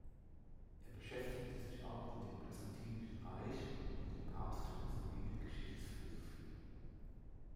Er beschäftigte sich auch mit dem Byzantinischen Reich und dem Papsttum sowie mit Geschichtsphilosophie.